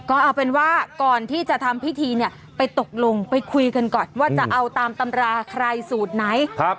ก็เอาเป็นว่าก่อนที่จะทำพิธีเนี่ยไปตกลงไปคุยกันก่อนว่าจะเอาตามตำราใครสูตรไหน